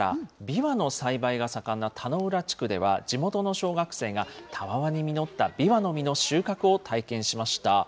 びわの栽培が盛んな田ノ浦地区では、地元の小学生が、たわわに実ったびわの実の収穫を体験しました。